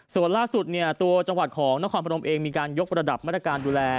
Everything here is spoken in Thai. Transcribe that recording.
ส่วนล่าสุดเนี่ยตัวจังหวัดของนครพนมเองมีการยกระดับมาตรการดูแล